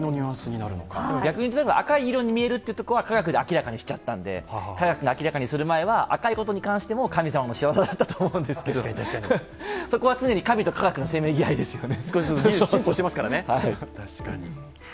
例えば赤い色に見えるところは科学が明らかにしちゃったんで科学が明らかにする前は、赤いことに関しても神様の仕業だったと思うんですけど、そこは常に神と科学のせめぎ合いですよね。